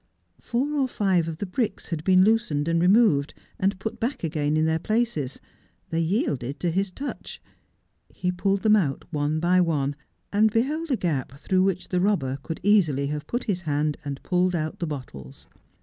Four or five of the bricks had been loosened and removed, and put back again in their places. They yielded to his touch. He pulled them out one by one, and beheld a gap through which the robber could easily have put his hand and pulled out the bottles.